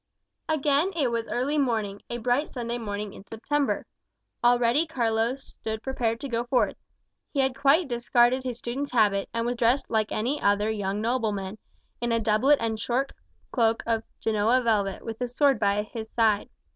Again it was early morning, a bright Sunday morning in September. Already Carlos stood prepared to go forth. He had quite discarded his student's habit, and was dressed like any other young nobleman, in a doublet and short cloak of Genoa velvet, with a sword by his side.